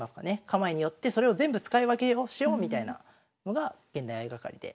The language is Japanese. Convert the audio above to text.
構えによってそれを全部使い分けをしようみたいなのが現代相掛かりで。